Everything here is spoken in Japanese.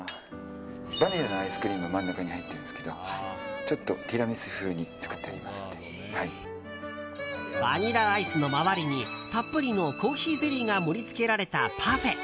バニラのアイスクリーム真ん中に入ってるんですけどちょっとティラミス風にバニラアイスの周りにたっぷりのコーヒーゼリーが盛り付けられたパフェ。